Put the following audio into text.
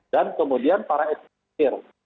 dan kemudian para eksklusif